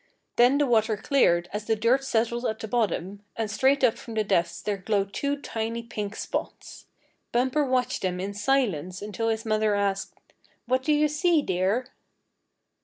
Then the water cleared as the dirt settled at the bottom, and straight up from the depths there glowed two tiny pink spots. Bumper watched them in silence until his mother asked: "What do you see, dear?"